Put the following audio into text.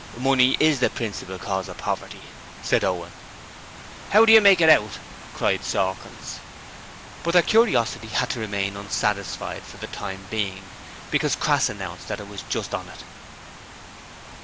'Money IS the principal cause of poverty,' said Owen. ''Ow do yer make it out?' cried Sawkins. But their curiosity had to remain unsatisfied for the time being because Crass announced that it was 'just on it'.